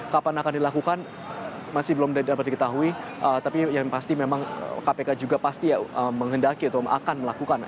kapan akan dilakukan masih belum dapat diketahui tapi yang pasti memang kpk juga pasti menghendaki atau akan melakukan